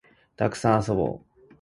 たくさん遊ぼう